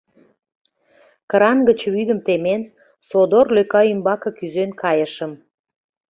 Кран гыч вӱдым темен, содор лӧка ӱмбаке кӱзен кайышым.